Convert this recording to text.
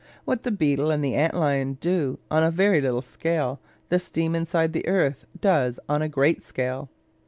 What the beetle and the ant lion do on a very little scale, the steam inside the earth does on a great scale.